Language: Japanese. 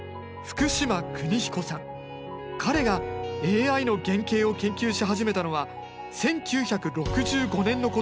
彼がＡＩの原型を研究し始めたのは１９６５年のことだった。